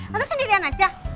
tante sendirian aja